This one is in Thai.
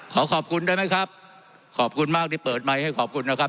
ขอขอบคุณได้ไหมครับขอบคุณมากที่เปิดไมค์ให้ขอบคุณนะครับ